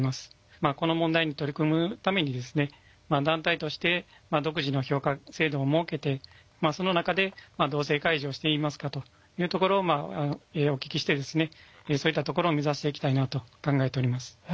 この問題に取り組むために団体として独自の評価制度を設けてその中で同性介助をしていますかというところをお聞きしてそういったところを目指していきたいなと考えております。